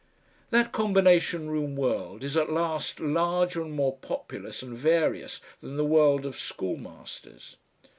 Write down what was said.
That combination room world is at last larger and more populous and various than the world of schoolmasters.